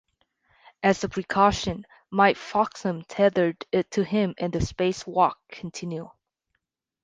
As a precaution, Mike Fossum tethered it to him and the spacewalk continued.